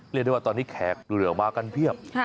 เรียกได้ว่าตอนนี้แขกเหลือมากันเพียบ